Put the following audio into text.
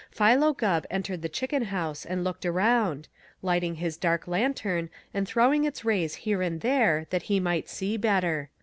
Philo Gubb entered the chicken house and looked around, lighting his dark lantern and throwing its rays here and there that he might see better.